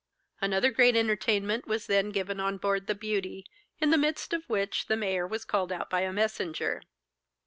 Another great entertainment was then given on board 'The Beauty,' in the midst of which the mayor was called out by a messenger.